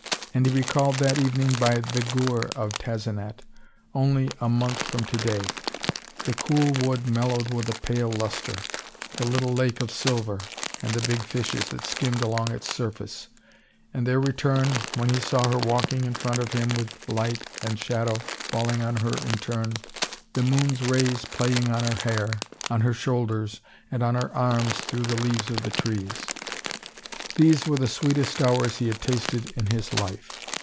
And he recalled that evening by the "gour" of Tazenat, only a month from to day the cool wood mellowed with a pale luster, the little lake of silver, and the big fishes that skimmed along its surface; and their return, when he saw her walking in front of him with light and shadow falling on her in turn, the moon's rays playing on her hair, on her shoulders, and on her arms through the leaves of the trees. These were the sweetest hours he had tasted in his life.